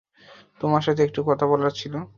তোমার সাথে একটু কথা বলার ছিল।